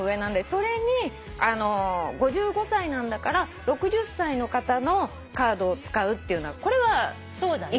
それに５５歳なんだから６０歳の方のカードを使うっていうのはこれはいけないこと。